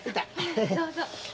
どうぞ。